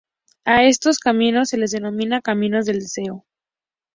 A estos caminos se los denomina caminos del deseo.